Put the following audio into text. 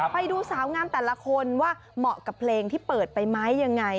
ไปดูสาวงามแต่ละคนว่าเหมาะกับเพลงที่เปิดไปไหมยังไง